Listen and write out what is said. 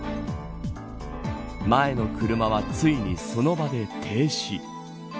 前の車はついにその場で停止。